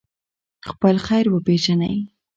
خپل خیر وپېژنئ.